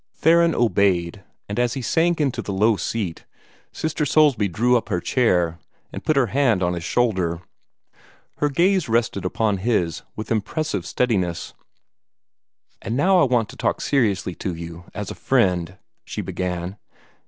Theron obeyed, and as he sank into the low seat, Sister Soulsby drew up her chair, and put her hand on his shoulder. Her gaze rested upon his with impressive steadiness. "And now I want to talk seriously to you, as a friend," she began.